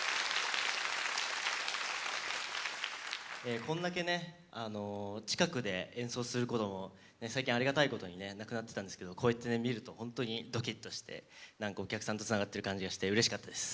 こんだけ近くで演奏することも最近ありがたいことにねなくなってたんですけどこうやってみると本当にドキッとしてなんかお客さんとつながってる感じがしてうれしかったです。